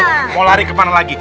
mau lari kemana lagi